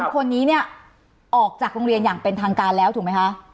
คนนี้เนี่ยออกจากโรงเรียนอย่างเป็นทางการแล้วถูกไหมคะ